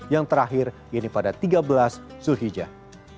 yang terakhir yaitu pada tiga belas zulhijjah